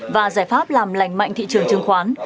và giải pháp làm lành mạnh thị trường chứng khoán